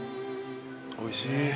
おいしい。